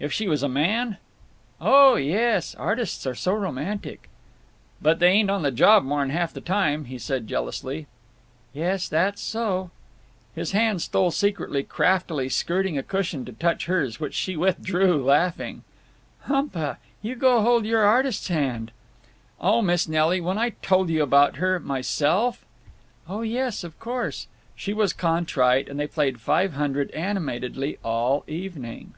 "If she was a man?" "Oh, yes s! Artists are so romantic." "But they ain't on the job more 'n half the time," he said, jealously. "Yes, that's so." His hand stole secretly, craftily skirting a cushion, to touch hers—which she withdrew, laughing: "Hump a! You go hold your artist's hand!" "Oh, Miss Nelly! When I told you about her myself!" "Oh yes, of course." She was contrite, and they played Five Hundred animatedly all evening.